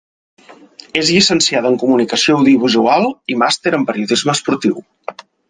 És llicenciada en Comunicació Audiovisual i màster en Periodisme esportiu.